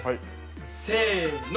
せの。